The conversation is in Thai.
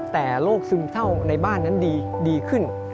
แต่โรคซึมเศร้าในบ้านนั้นดีขึ้น